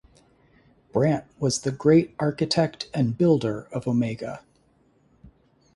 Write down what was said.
Brandt was the great architect and builder of Omega.